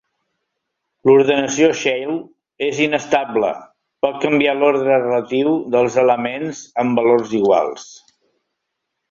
L'ordenació Shell és inestable: pot canviar l'ordre relatiu dels elements amb valors iguals.